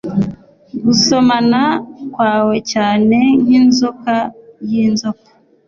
gusomana kwawe cyane nk'inzoka y'inzoka